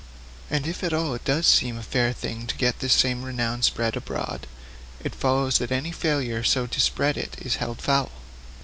And if at all it does seem a fair thing to get this same renown spread abroad, it follows that any failure so to spread it is held foul.